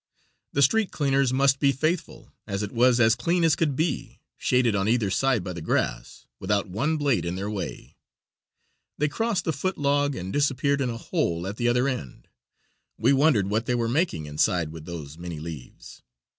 The street cleaners must be faithful, as it was as clean as could be, shaded on either side by the grass, without one blade in their way. They crossed the foot log and disappeared in a hole at the other end. We wondered what they were making inside with those many leaves.